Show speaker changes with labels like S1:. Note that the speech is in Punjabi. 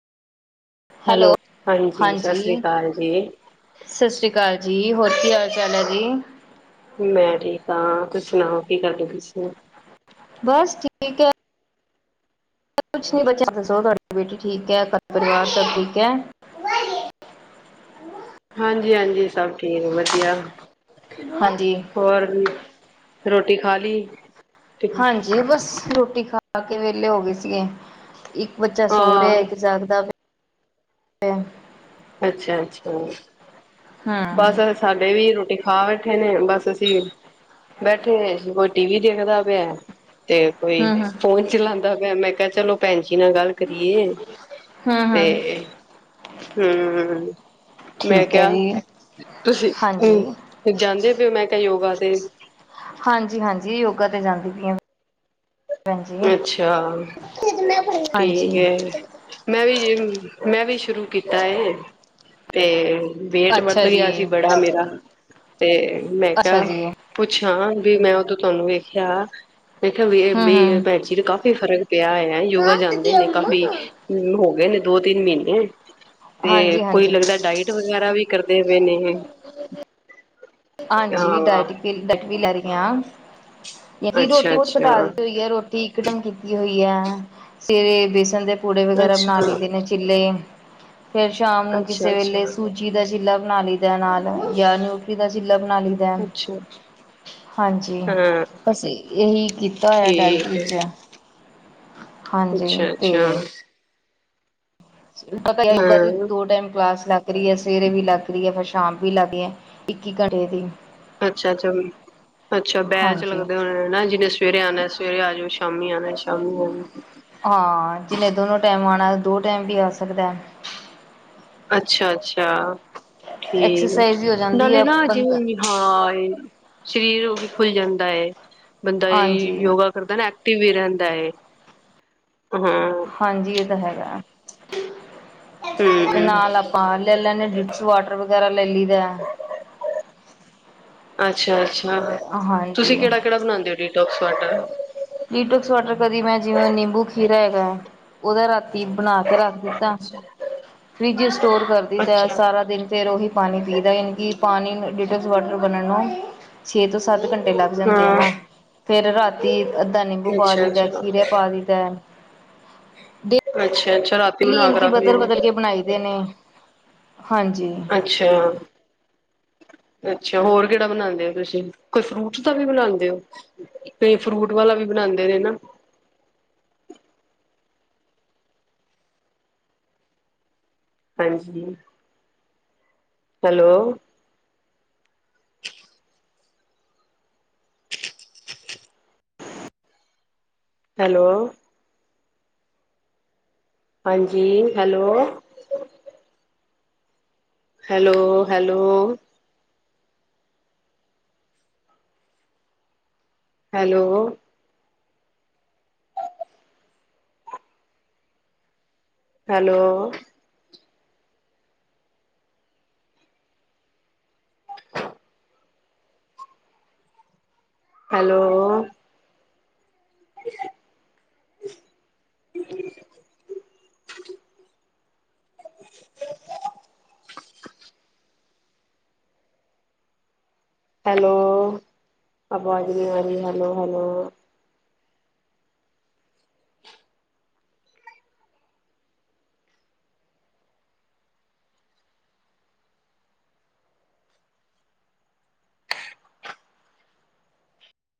S1: ਹੈਲੋ
S2: ਸਤਿ
S1: ਹਾਂਜੀ
S2: ਸ੍ਰੀ ਅਕਾਲ ਜੀ
S1: ਸਤਿ ਸ੍ਰੀ ਅਕਾਲ ਜੀ। ਹੋਰ ਕੀ ਹਾਲ ਚਾਲ ਆ ਜੀ।
S2: ਮੈਂ ਠੀਕ ਹਾਂ ਤੁਸੀਂ ਸੁਣਾਓ ਕੀ ਕਰਦੇ ਪਏ ਸੀ।
S1: ਬਸ ਠੀਕ ਹੈ। ਕੁਛ ਨੀ ਬੱਚਾ ਦੱਸੋ ਤੁਹਾਡੀ ਬੇਟੀ ਠੀਕ ਹੈ ਤੁਹਾਡਾ ਪਰਿਵਾਰ ਸਭ ਠੀਕ ਹੈ।
S2: ਹਾਂਜੀ ਹਾਂਜੀ ਸਭ ਠੀਕ ਵਧੀਆ।
S1: ਹਾਂਜੀ
S2: ਹੋਰ ਵੀ ਰੋਟੀ ਖਾ ਲਈ
S1: ਹਾਂਜੀ ਬਸ ਰੋਟੀ ਖਾ ਕੇ ਵਿਹਲੇ ਹੋ ਗਏ ਸੀਗੇ। ਇੱਕ ਬੱਚਾ ਸੋ ਰਿਹਾ
S2: ਹਾਂ
S1: ਇੱਕ ਜਾਗਦਾ ਤੇ
S2: ਅੱਛਾ ਅੱਛਾ।
S1: ਹਮ
S2: ਬਸ ਅ ਸਾਡੇ ਵੀ ਰੋਟੀ ਖਾ ਬੈਠੇ ਨੇ ਬਸ ਅਸੀਂ ਬੈਠੇ ਅਸੀ ਕੋਈ ਟੀ ਵੀ ਦੇਖਦਾ ਪਿਆ। ਤੇ ਕੋਈ
S1: ਹਮ ਹਮ
S2: ਫੋਨ ਚਲਾਦਾ। ਮੈਂ ਕਿਹਾ ਚਲੋ ਭੈਣ ਜੀ ਨਾਲ ਗੱਲ ਕਰੀਏ।
S1: ਹੂੰ ਹੂੰ
S2: ਹੂੰ ਮੈਂ
S1: ਠੀਕ ਹੈ ਜੀ
S2: ਕਿਹਾ ਤੁਸੀਂ
S1: ਹਾਂਜੀ
S2: ਜਾਂਦੇ ਪਏ ਮੈਂ ਤੇ ਯੋਗਾ ਦੇ
S1: ਹਾਂਜੀ ਹਾਂਜੀ ਯੋਗਾ ਤੇ ਜਾਂਦੀ ਪਈ ਆ। ਭੈਣ ਜੀ
S2: ਅੱਛਾ। ਠੀਕ
S1: ਹਾਂਜੀ
S2: ਮੈਂ ਵੀ ਮੈਂ ਵੀ ਸ਼ੁਰੂ ਕੀਤਾ ਇਹ ਤੇ ਵੇਟ ਵੱਧ
S1: ਅੱਛਾ ਜੀ
S2: ਗਿਆ ਸੀ ਬੜਾ ਮੇਰਾ ਅਤੇ ਮੈਂ
S1: ਅੱਛਾ
S2: ਕਿਹਾ
S1: ਜੀ
S2: ਪੁੱਛਾਂ ਵੀ ਮੈਂ ਉਦੋਂ ਤੁਹਾਨੂੰ ਵੇਖਿਆ। [unintelligible] ਫ਼ਰਕ
S1: ਹਮ ਹਮ
S2: ਪਿਆ ਹੈ ਹੋਏਗਾ ਯੋਗਾ,
S1: ਕਾ
S2: ਜਾਂਦੇ
S1: ਤਦੀਆ
S2: ਨੇ
S1: ਅੰਮਾ
S2: ਕਾਫ਼ੀ ਮੈਂਨੂੰ ਹੋ ਗਏ ਨੇ, ਦੋ ਤਿੰਨ ਮਹੀਨੇ, ਤੇ
S1: ਹਾਂਜੀ
S2: ਕੋਈ
S1: ਹਾਂਜੀ
S2: ਲੱਗਦਾ ਡਾਇਟ ਵਗੈਰਾ ਵੀ, ਕਰਦੇ ਪਏ ਨੇ,
S1: ਹਾਂਜੀ
S2: ਹਾਂ
S1: ਡਇਟ-ਡਾਇਟ ਹੀ ਲੇ ਰਹੀ। ਆ,
S2: ਅੱਛਾ
S1: ਰੋਟੀ ਬਹੁਤ ਘਟਾ
S2: ਅੱਛਾ
S1: ਤੀ ਹੋਈ ਹੈ ਰੋਟੀ ਇੱਕ ਟੈਮ ਕੀਤੀ ਹੋਈ ਐ। ਸਵੇਰੇ ਬੇਸਣ ਦੇ, ਪੂੜੇ ਵਗੈਰਾ ਬਣਾ
S2: ਅੱਛਾ
S1: ਲਈਦੇ ਨੇ ਚਿੱਲੇ, ਫੇਰ ਸ਼ਾਮ ਨੂੰ
S2: ਅੱਛਾ
S1: ਕਿਸੇ ਵੇਲੇ
S2: ਅੱਛਾ
S1: ਸੂਜੀ ਦਾ ਚਿੱਲਾ ਬਣਾ ਲਈ ਦਾ ਨਾਲ ਜਾਂ ਨਿ ਸੀ, ਲ ਬਣਾ ਲਈ ਦਾ,
S2: ਅੱਛਾ
S1: ਹਾਂਜੀ
S2: ਹਾਂ
S1: ਬਸ ਇਹੀ ਕੀਤਾ ਹੋਇਆ ਡਾਇਟ
S2: ਠੀਕ ਹੈ
S1: ਵਿੱਚ ਹਾਂਜੀ
S2: ਅੱਛਾ ਅੱਛਾ
S1: ਤੇ, ਪਤਾ ਯੋਗਾ ਦੀ
S2: ਹਾਂ
S1: ਦੋ ਟਾਈਮ ਕਲਾਸ ਲੱਗ ਰਹੀ ਹੈ ਸਵੇਰੇ ਵੀ ਲੱਗ ਰਹੀ ਹੈ ਫਿਰ ਸ਼ਾਮ ਵੀ ਲੱਗ ਹੈ ਇੱਕ ਘੰਟੇ ਦੀ
S2: ਅੱਛਾ-ਅੱਛਾ, ਅੱਛਾ ਬੈਚ ਚ
S1: ਹਾਂਜੀ
S2: ਲੱਗਦੇ ਹੋਣੇ ਨਾ ਜਿਨੇ ਸਵੇਰੇ ਆਣਾ ਸਵੇਰੇ ਆ ਜਾਓ ਸ਼ਾਮੀ ਆਣਾ ਸ਼ਾਮੀ ਆਜੋ।
S1: ਹਾਂ ਜਿਹਨੇ ਦੋਨੋ ਟਾਈਮ ਆਣਾ ਦੋ ਟਾਈਮ ਵੀ ਆ ਸਕਦਾ।
S2: ਅੱਛਾ-ਅੱਛਾ, ਠੀਕ ਹੈ
S1: ਐਕਸਰਸਾਈਜ਼ ਵੀ ਹੋ ਜਾਂਦੀ
S2: ਨਾਲੇ
S1: ਹੈ
S2: ਨਾ
S1: ਬੰਦਾ
S2: ਜਿਵੇਂ ਹਾਂ ਸਰੀਰ ਵੀ ਖੁੱਲ ਜਾਂਦਾ ਏ, ਬੰਦਾ
S1: ਹਾਂਜੀ
S2: ਯੋਗਾ ਕਰਦਾ ਨਾ ਐਕਟਿਵ ਵੀ ਰਹਿੰਦਾ ਐ।
S1: ਹਾਂਜੀ, ਇਹ ਤਾਂ ਹੈਗਾ। ਤੇ
S2: ਹੂੰ-ਹੂੰ,
S1: ਨਾਲ ਆਪਾਂ ਲੈ ਲੈਂਦੇ ਹਾਂ ਡਿਟਸ ਵਾਟਰ ਵਗੈਰਾ ਲੈ ਲਈ ਦਾ
S2: ਅੱਛਾ, ਅੱਛਾ-ਅੱਛਾ, ਤੁਸੀਂ
S1: ਹਾਂਜੀ
S2: ਕਿਹੜਾ-ਕਿਹੜਾ ਬਣਾਦੇ ਔ ਡੀ ਡੋਕਸ ਵਟਾਰ,
S1: ਲੀਟੋਕਸ ਵਾਟਰ ਕਦੀ ਮੈਂ ਜਿਵੇਂ ਨਿੰਬੂ ਖੀਰਾ ਹੈਗਾ ਹੈ ਉਹਦਾ ਰਾ ਬਣਾ ਕੇ ਰੱਖ ਦਿੱਤਾ
S2: ਅੱਛਾ,
S1: ਫਰਿੱਜ ਸਟੋਰ ਕਰ ਦਿੱਤਾ
S2: ਅੱਛਾ
S1: ਸਾਰਾ ਦਿਨ ਫਿਰ ਉਹੀ ਪਾਣੀ ਪੀ ਦਾ ਯਾਨੀ ਕਿ ਪਾਣੀ ਲੇਟਸ ਵਰਸਨ ਬਣਨ ਨੂੰ ਛੇ ਤੋਂ ਸ ਸੱਤ ਘੰਟੇ ਲੱਗ ਜਾਂਦੇ ਐ
S2: ਹਾਂ।
S1: ਨਾ ਫਿਰ ਰਾਤੀ ਅੱਧਾ ਨਿੰਬੂ ਪਾ ਦਈ ਦਾ
S2: ਅੱਛਾ-ਅੱਛਾ,
S1: ਖੀਰੇ ਪਾ ਦਈ ਦਾ
S2: ਅੱਛਾ ਅੱਛਾ
S1: [unintelligible] ਬਦਲ ਬਦਲ ਕੇ ਬਣਾਈ ਦੇ ਨੇ ਹਾਂਜੀ
S2: ਅੱਛਾ ਅੱਛਾ ਹੋਰ ਕਿਹੜਾ ਬਣਾਉਂਦੇ ਹੋ ਤੁਸੀਂ ਕੋਈ ਫਰੂਟਸ ਦਾ ਵੀ ਬਣਾਉਦੇ ਹੋ ਕਈ ਫਰੂਟ ਵਾਲਾ ਵੀ ਬਣਾਉਂਦੇ ਨੇ ਨਾ ਹਾਂਜੀ ਹੈਲੋ ਹੈਲੋ ਹਾਂਜੀ hello hello hello hello hello hello [unintelligible] [inaudible] [unintelligible] hello ਆਵਾਜ਼ ਨੀ ਆ ਰਹੀ। Hello hello